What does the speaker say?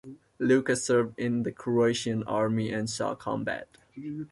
Luka served in the Croatian army, and saw combat.